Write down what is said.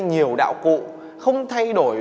nhiều đạo cụ không thay đổi